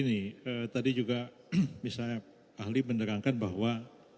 jadi begini tadi juga misalnya ahli menerangkan bahwa